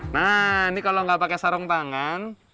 nah ini kalau nggak pakai sarung tangan